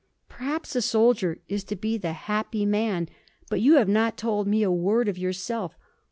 'Perhaps a soldier is to be the happy man. But you have not told me a word of yourself.